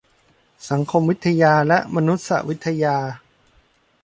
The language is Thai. สังคมวิทยาและมานุษยวิทยา